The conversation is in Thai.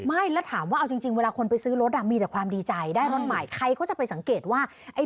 ไม่แล้วถามว่าเอาจริงเวลาคนไปซื้อรถอ่ะ